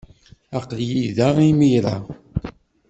Aql-iyi da imir-a.